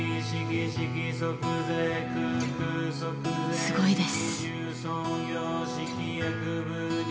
すごいです。